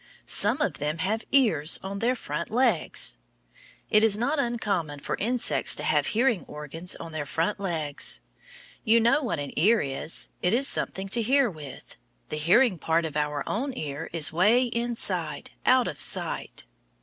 Some of them have ears on their front legs! It is not uncommon for insects to have hearing organs on their front legs. You know what an ear is. It is something to hear with. The hearing part of our own ears is way inside, out of sight.